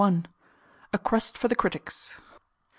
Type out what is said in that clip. A crust for the critics.